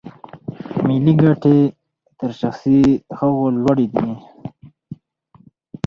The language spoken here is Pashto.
ملي ګټې تر شخصي هغو لوړې دي.